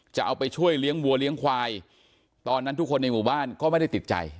จะเอาไปช่วยเลี้ยงวัวเลี้ยงควายตอนนั้นทุกคนในหมู่บ้านก็ไม่ได้ติดใจ